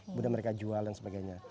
kemudian mereka jual dan sebagainya